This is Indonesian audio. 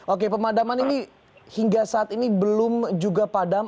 oke pemadaman ini hingga saat ini belum juga padam